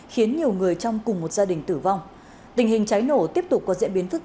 thậm chí nhiều người trong cùng một gia đình tử vong